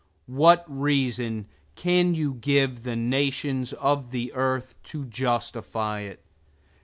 What reasons can you give to the nations of the earth to justify it?